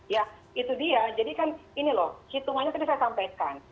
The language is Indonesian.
ya itu dia jadi kan ini loh hitungannya tadi saya sampaikan